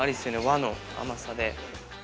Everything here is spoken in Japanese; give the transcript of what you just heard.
和の甘さで。